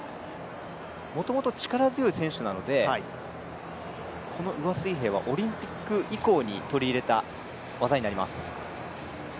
もともと力強い選手なのでこの上水平はオリンピック以降に取り入れた技になります。